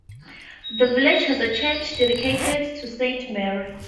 The village has a church dedicated to "Saint Mary".